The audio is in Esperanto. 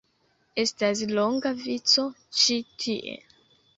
Estas longa vico ĉi tie